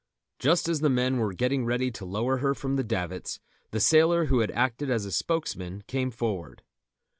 Just as the men were getting ready to lower her from the davits, the sailor who had acted as spokesman came forward.